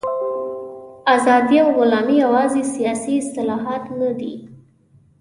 ازادي او غلامي یوازې سیاسي اصطلاحات نه دي.